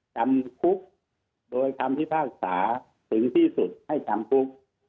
จำคุกโดยคำพิพากษาถึงที่สุดให้จำคุก